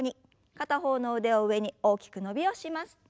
片方の腕を上に大きく伸びをします。